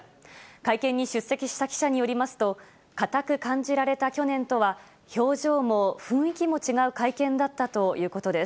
会見に出席した記者によりますと、硬く感じられた去年とは、表情も雰囲気も違う会見だったということです。